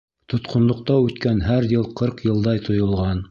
Тотҡонлоҡта үткән һәр йыл ҡырҡ йылдай тойолған.